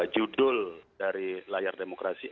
judul dari layar demokrasi